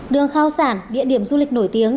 đường khao sản địa điểm du lịch nổi tiếng